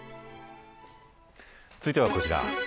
続いてはこちら。